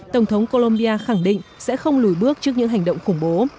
tổng thống colombia khẳng định sẽ không lùi bước trước những hành động khủng bố